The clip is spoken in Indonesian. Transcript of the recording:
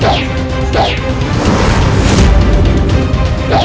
jangan lupa untuk berlawan angkat tangan dan berhenti